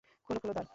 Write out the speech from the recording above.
খোলো খোলো দ্বার।